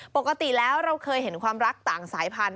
ปกติแล้วเราเคยเห็นความรักต่างสายพันธุ